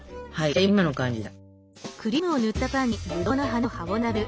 はいじゃあ今の感じで。